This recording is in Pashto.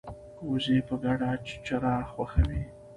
وزې په ګډه چرا خوښوي